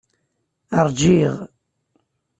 Ṛjiɣ.